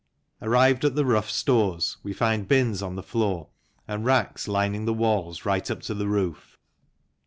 Arrived at the rough stores we find bins on the floor and racks lining the walls right up to the roof.